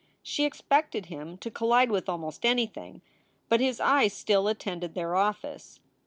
She expected him to collide with almost anything, but his eyes still attended their office.